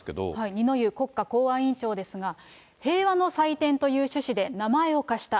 二之湯国家公安委員長ですが、平和の祭典という趣旨で名前を貸した。